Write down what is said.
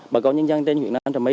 bà con nhân dân đến huyện nam trà my